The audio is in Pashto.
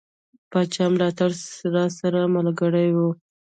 د پاچا ملاتړ راسره ملګری وو.